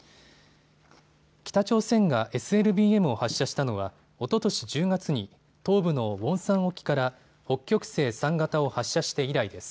北朝鮮がＳＬＢＭを発射したのはおととし１０月に東部のウォンサン沖から北極星３型を発射して以来です。